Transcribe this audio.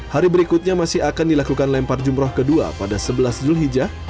hari berikutnya masih akan dilakukan lempar jumroh kedua pada sebelas julhijjah